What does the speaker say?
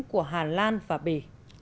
của hà lan và bể